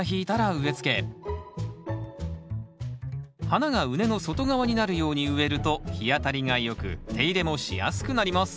花が畝の外側になるように植えると日当たりが良く手入れもしやすくなります